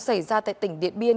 xảy ra tại tỉnh điện biên